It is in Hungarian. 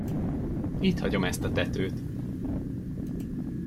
Itt hagyom ezt a tetőt!